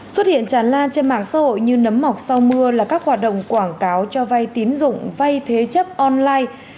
xuất hiện tràn lan trên mạng xã hội như nấm mọc sau mưa là các hoạt động quảng cáo cho vay tín dụng vay thế chấp online